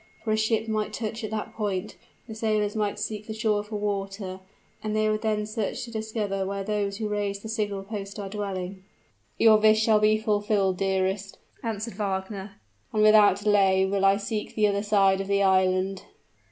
For a ship might touch at that point the sailors might seek the shore for water, and they would then search to discover where those who raised the signal post are dwelling." "Your wish shall be fulfilled, dearest," answered Wagner; "and without delay will I seek the other side of the island."